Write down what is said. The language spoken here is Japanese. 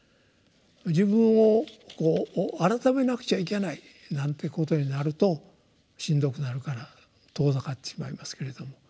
自分を改めなくちゃいけないなんていうことになるとしんどくなるから遠ざかってしまいますけれども。